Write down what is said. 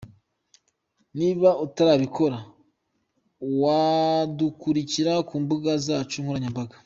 Niba utarabikora, wadukurikira ku mbuga zacu nkoranyambaga:.